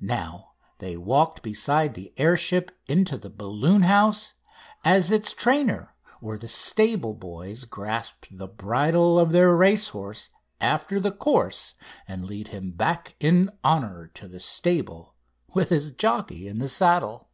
Now they walked beside the air ship into the balloon house, as its trainer or the stable boys grasp the bridle of their racehorse after the course and lead him back in honour to the stable with his jockey in the saddle.